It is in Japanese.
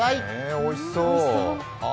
おいしそう。